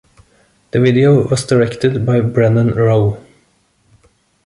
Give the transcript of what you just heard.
The video was directed by Brennan Rowe.